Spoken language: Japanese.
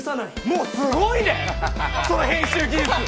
もうすごいね、その編集技術。